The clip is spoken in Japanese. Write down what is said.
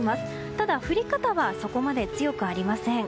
ただ、降り方はそこまで強くありません。